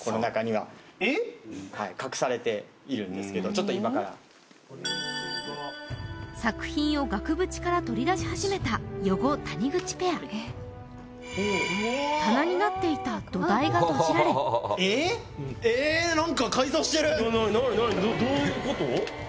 ちょっと今から作品を額縁から取り出し始めた余語・谷口ペア棚になっていた土台が閉じられええ何か何何どういうこと？